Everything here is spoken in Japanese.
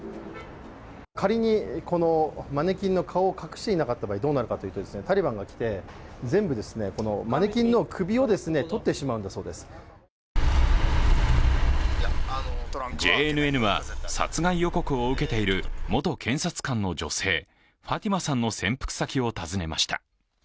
仮にこのマネキンの顔を隠してなかった場合どうなるかといいますとタリバンが来て、全部このマネキンの首をＪＮＮは殺害予告を受けている元検察官の女性、ファティマさんの潜伏先を訪ねました。